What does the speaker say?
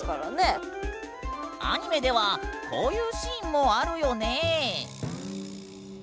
アニメではこういうシーンもあるよねえ。